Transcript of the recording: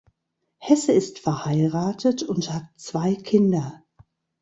Hesse ist verheiratet und hat zwei Kinder.